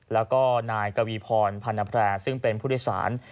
แล้วก็นายกวีพรพันธแพร่ซึ่งเป็นผู้โดยสาร